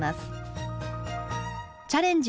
「チャレンジ！